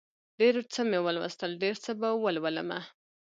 ډېر څه مې ولوست، ډېر څه به ولولمه